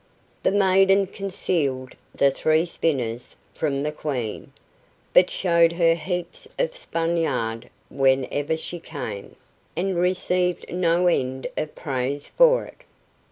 The maiden concealed the three spinners from the Queen, but showed her the heaps of spun yarn whenever she came, and received no end of praise for it.